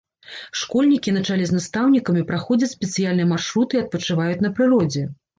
Школьнікі на чале з настаўнікамі праходзяць спецыяльныя маршруты і адпачываюць на прыродзе.